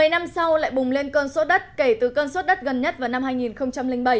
một mươi năm sau lại bùng lên cơn sốt đất kể từ cơn sốt đất gần nhất vào năm hai nghìn bảy